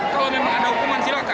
kalau memang ada hukuman silakan